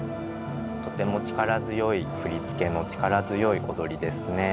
とても力強い振付の力強い踊りですね。